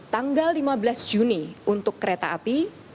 tanggal lima belas juni untuk kereta api